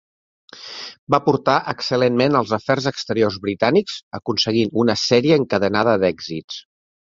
Va portar excel·lentment els afers exteriors britànics, aconseguint una sèrie encadenada d'èxits.